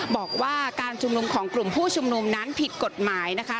บอกว่าการชุมนุมของกลุ่มผู้ชุมนุมนั้นผิดกฎหมายนะคะ